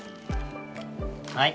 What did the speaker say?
はい。